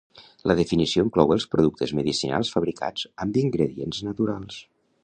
La definició inclou els productes medicinals fabricats amb ingredients naturals.